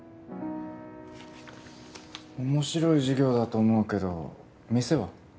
面白い事業だと思うけど店は？